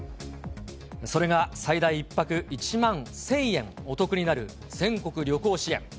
それが最大１泊１万１０００円お得になる全国旅行支援。